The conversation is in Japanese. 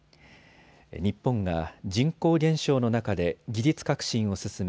日本が人口減少の中で技術革新を進め